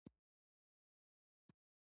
تاسو ته د تیرې اونۍ د مهمو بازار پیښو بیاکتنه